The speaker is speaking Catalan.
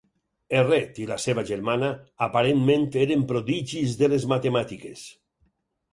Erret i la seva germana aparentment eren prodigis de les matemàtiques.